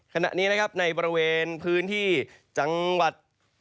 ขณะนี้นะครับในบริเวณพื้นที่จังหวัด